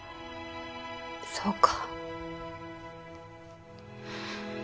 そうか。